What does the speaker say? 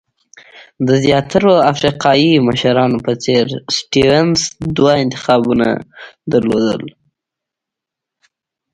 د زیاترو افریقایي مشرانو په څېر سټیونز دوه انتخابونه درلودل.